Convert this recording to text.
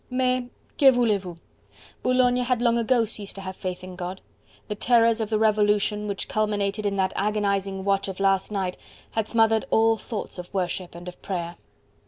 Mais, que voulez vous? Boulogne had long ago ceased to have faith in God: the terrors of the Revolution, which culminated in that agonizing watch of last night, had smothered all thoughts of worship and of prayer.